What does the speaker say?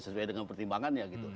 sesuai dengan pertimbangannya gitu